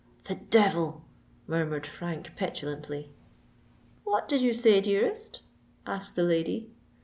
"The devil!" murmured Frank petulantly. "What did you say, dearest?" asked the lady.